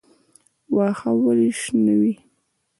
واښه ولې شنه وي؟